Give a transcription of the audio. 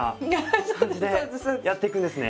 やっていくんですね。